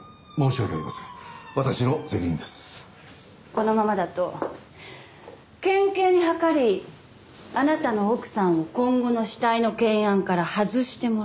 このままだと県警にはかりあなたの奥さんを今後の死体の検案から外してもらう。